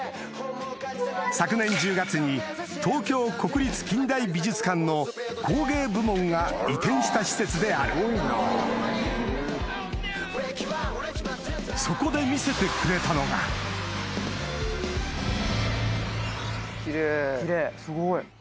昨年１０月に東京国立近代美術館の工芸部門が移転した施設であるそこで見せてくれたのが奇麗すごい。